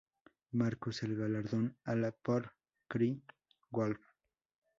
Marcus, el galardón a la por "Cry Wolf".